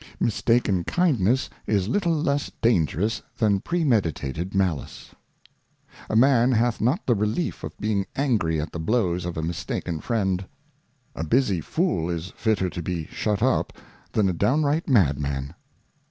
Mistaken Kindness is little less dangerous than premeditated Malice. A Man hath not the Relief of being angry at the Blows of a mistaken Friend. A busy Fool is fitter to be shut up than a downright Madman.